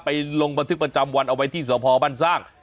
ไปลงบันทึกประจำวันเอาไว้ที่สะพอบรรซ่าง